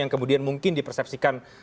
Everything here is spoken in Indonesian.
yang kemudian mungkin dipersepsikan